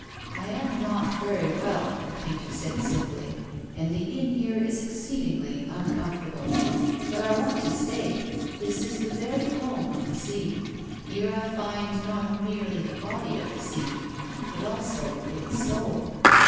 " I am not very well," the painter said simply, "and the inn here is exceedingly uncomfortable. But I want to stay. This is the very home of the sea. Here I find not merely the body of the sea but also its soul."